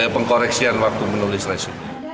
pengkoreksian waktu menulis resum